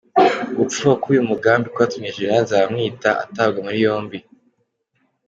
Gupfuba k’uyu mugambi kwatumye General Nzabamwita atabwa muri yombi